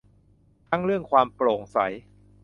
ทั้งเรื่องความโปร่งใส